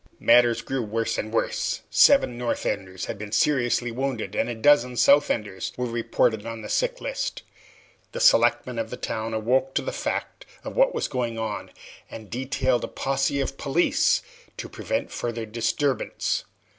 Matters grew worse and worse. Seven North Enders had been seriously wounded, and a dozen South Enders were reported on the sick list. The selectmen of the town awoke to the fact of what was going on, and detailed a posse of police to prevent further disturbance.